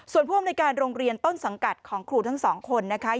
ส่วนผู้อำนวยการโรงเรียนต้นสังกัดของครูทั้งสองคนนะคะ